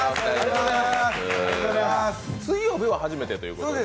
水曜日は初めてということで？